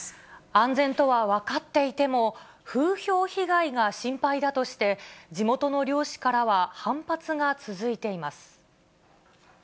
安全とは分かっていても、風評被害が心配だとして、地元の漁師からは反発が続いています。